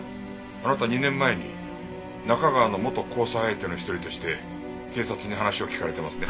あなた２年前に中川の元交際相手の一人として警察に話を聞かれてますね？